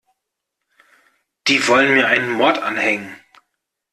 Die wollen mir einen Mord anhängen.